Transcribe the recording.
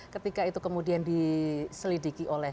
ketika itu kemudian diselidiki oleh